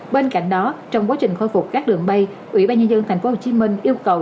bên cạnh đó trong quá trình khôi phục các đường bay ủy ban nhân dân tp hcm yêu cầu